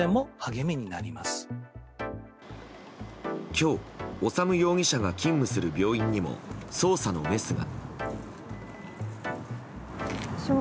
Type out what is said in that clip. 今日、修容疑者が勤務する病院にも捜査のメスが。